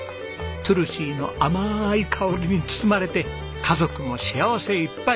トゥルシーの甘い香りに包まれて家族も幸せいっぱい！